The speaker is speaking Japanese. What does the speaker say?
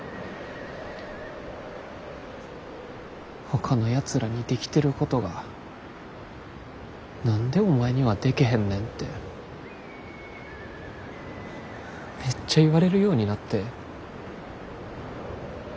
ほかのやつらにできてることが何でお前にはでけへんねんてめっちゃ言われるようになって。